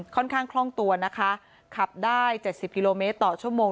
ค่อนข้างคล่องตัวนะคะขับได้เจ็ดสิบกิโลเมตรต่อชั่วโมง